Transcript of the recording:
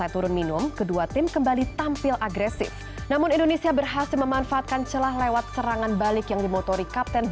timnas ya besok kita